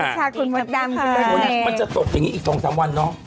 สวัสดีค่ะคุณหมดดำค่ะมันจะตกอย่างงี้อีกสองสามวันเนาะ